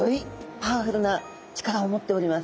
パワフルな力を持っております。